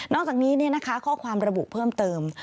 นอกจากนี้เนี่ยนะคะข้อความระบุเพิ่มเติม